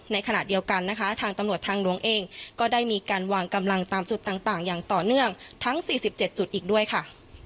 ในขณะเดียวกันนะคะทางตำรวจทางหลวงเองก็ได้มีการวางกำลังตามจุดต่างอย่างต่อเนื่องทั้ง๔๗จุดอีกด้วยค่ะ